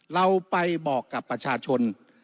เราไปบอกกับประชาชน